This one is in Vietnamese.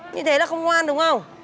như thế là không ngoan đúng không